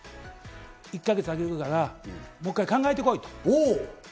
１か月あげるから、もう少し考えてこいと。